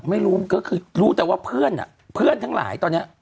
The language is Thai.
ไม่รู้ก็คือรู้แต่ว่าเพื่อนอ่ะเพื่อนทั้งหลายตอนนี้